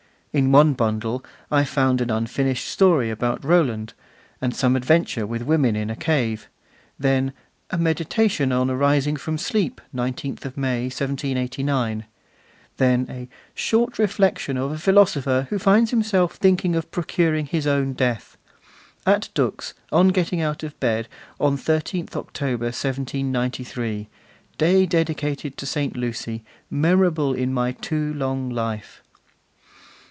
In one bundle I found an unfinished story about Roland, and some adventure with women in a cave; then a 'Meditation on arising from sleep, 19th May 1789'; then a 'Short Reflection of a Philosopher who finds himself thinking of procuring his own death. At Dux, on getting out of bed on 13th October 1793, day dedicated to St. Lucy, memorable in my too long life.